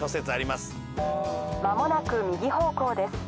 間もなく右方向です。